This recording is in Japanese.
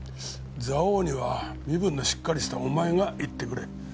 蔵王には身分のしっかりしたお前が行ってくれ。